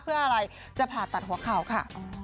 เพื่ออะไรจะผ่าตัดหัวเข่าค่ะ